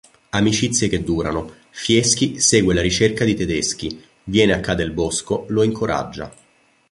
Amicizie che durano: Fieschi segue la ricerca di Tedeschi, viene a Cadelbosco, lo incoraggia.